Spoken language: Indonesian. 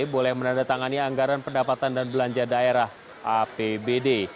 boleh menandatangani anggaran pendapatan dan belanja daerah apbd